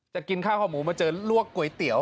กินข้าวข้าวหมูมาเจอลวกก๋วยเตี๋ยว